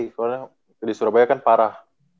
karena di surabaya kan parah